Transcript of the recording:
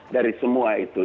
dari semua itu